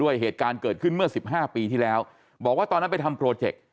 ด้วยเหตุการณ์เกิดขึ้นเมื่อ๑๕ปีที่แล้วบอกว่าตอนนั้นไปทำโปรเจค